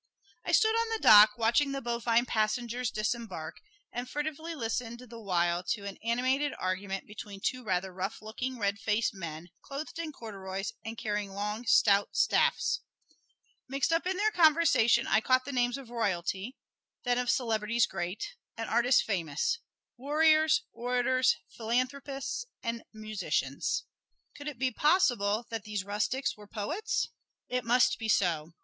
I stood on the dock watching the bovine passengers disembark, and furtively listened the while to an animated argument between two rather rough looking, red faced men, clothed in corduroys and carrying long, stout staffs. Mixed up in their conversation I caught the names of royalty, then of celebrities great, and artists famous warriors, orators, philanthropists and musicians. Could it be possible that these rustics were poets? It must be so.